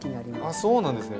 あっそうなんですね。